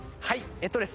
えっとですね